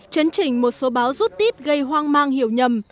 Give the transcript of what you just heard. chấn chỉnh một số báo rút tiếp gây hoang mang hiểu nhầm